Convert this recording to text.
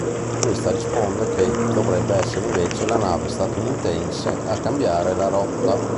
Questa risponde che dovrebbe essere invece la nave statunitense a cambiare la rotta.